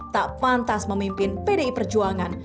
tak pantas memimpin pdi perjuangan